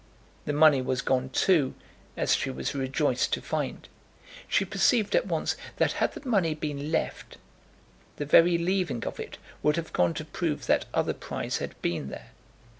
The money was gone too, as she was rejoiced to find. She perceived at once that had the money been left, the very leaving of it would have gone to prove that other prize had been there.